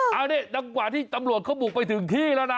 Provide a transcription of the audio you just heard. เอานี่ดังกว่าที่ตำรวจเขาบุกไปถึงที่แล้วนะ